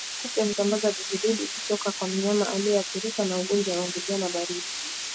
Kupe husambaza vijidudu kutoka kwa mnyama aliyeathirika na ugonjwa wa ndigana baridi